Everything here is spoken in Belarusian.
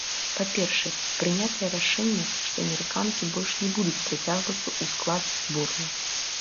Па-першае, прынятае рашэнне, што амерыканкі больш не будуць прыцягвацца ў склад зборнай.